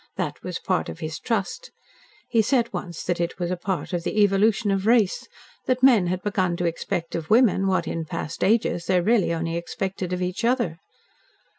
That was part of his trust. He said once that it was a part of the evolution of race, that men had begun to expect of women what in past ages they really only expected of each other."